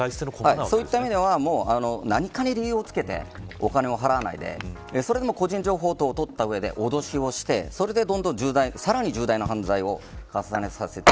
そういった意味ではなにかと理由をつけてお金を払わずに、それでも個人情報を取った上で脅してさらに重大な犯罪を重ねさせる。